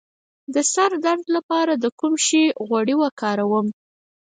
د سر درد لپاره د کوم شي غوړي وکاروم؟